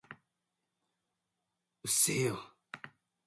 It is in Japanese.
友達とスポーツを楽しみました。